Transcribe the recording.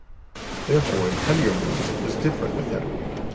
Therefore in heavier moods it was different with him.